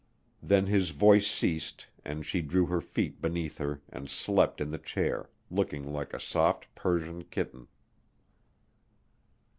Then his voice ceased and she drew her feet beneath her and slept in the chair, looking like a soft Persian kitten.